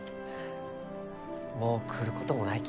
もう来ることもないき。